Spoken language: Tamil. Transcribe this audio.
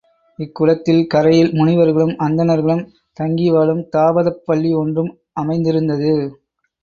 இக் குளத்தின் கரையில் முனிவர்களும் அந்தணர்களும் தங்கிவாழும் தாபதப் பள்ளி ஒன்றும் அமைந்திருந்தது.